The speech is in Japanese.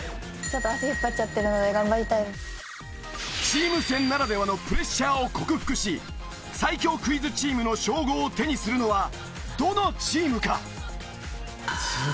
チーム戦ならではのプレッシャーを克服し最強クイズチームの称号を手にするのはどのチームか！？